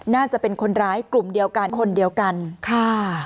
น่าจะเป็นคนร้ายกลุ่มเดียวกันคนเดียวกันค่ะ